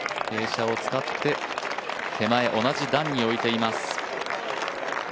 傾斜を使って手前、同じ段に置いています。